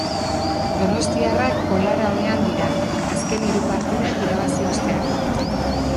Donostiarrak bolada onean dira, azken hiru partidak irabazi ostean.